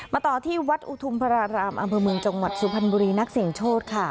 ต่อที่วัดอุทุมพระรารามอำเภอเมืองจังหวัดสุพรรณบุรีนักเสียงโชคค่ะ